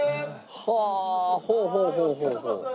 はあほうほうほうほうほう。